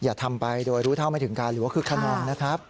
อย่าทำไปโดยรู้เท่าไม่ถึงการหรือว่าคึกขนองนะครับ